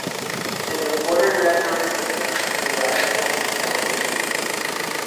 In the quater-imaginary system a radix point can also be used.